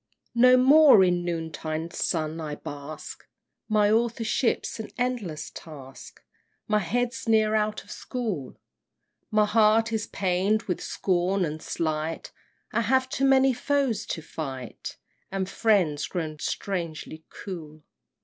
VII. No more in noontide sun I bask; My authorship's an endless task, My head's ne'er out of school: My heart is pain'd with scorn and slight, I have too many foes to fight, And friends grown strangely cool!